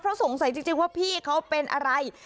เพราะสงสัยจริงว่าพี่เขาเป็นอะไร